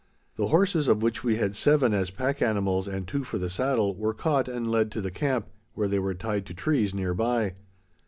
The horses, of which we had seven as pack animals and two for the saddle, were caught and led to the camp, where they were tied to trees near by.